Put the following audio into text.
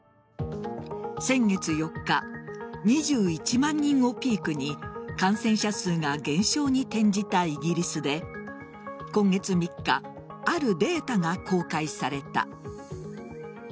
先月４日２１万人をピークに感染者数が減少に転じたイギリスで今月３日あるデータが公開された。